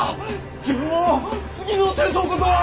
自分も次の戦争こそは！